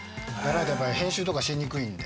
編集とかしにくいんで。